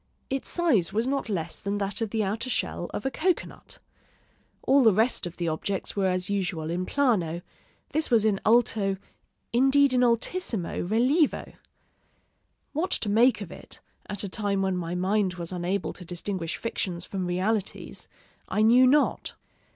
Its size was not less than that of the outer shell of a cocoanut. All the rest of the objects were as usual in plano; this was in alto, indeed in altissimo rilievo. What to make of it, at a time when my mind was unable to distinguish fictions from realities, I knew not.